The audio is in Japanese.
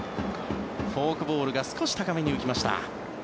フォークボールが少し高めに浮きました。